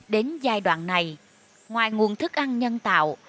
đến giai đoạn này ngoài nguồn thức ăn nhân tạo